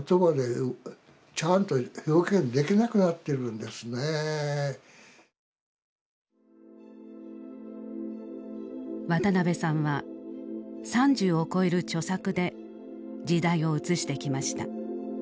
だから渡辺さんは３０を超える著作で時代を映してきました。